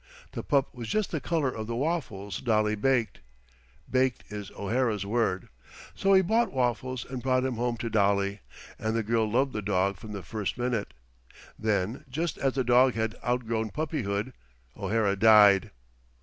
The pup was just the color of the waffles Dolly baked "baked" is O'Hara's word. So he bought Waffles and brought him home to Dolly, and the girl loved the dog from the first minute. Then, just as the dog had outgrown puppyhood, O'Hara died.